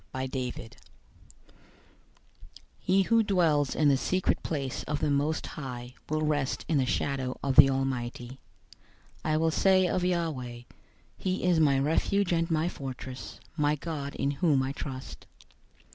091:001 He who dwells in the secret place of the Most High will rest in the shadow of the Almighty. 091:002 I will say of Yahweh, "He is my refuge and my fortress; my God, in whom I trust."